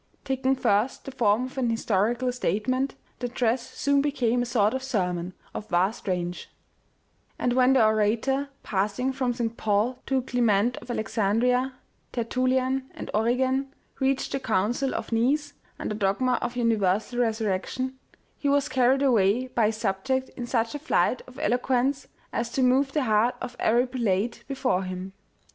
Taking first the form of an historical statement, the address soon became a sort of sermon, of vast range ; and when the orator, pass ing from St. Paul to Clement of Alexandria, Tertulian and Origen, reached the council of Nice and the dogma of universal resurrection, he was carried away by his subject in such a flight of eloquence as to move the heart of every prelate before him.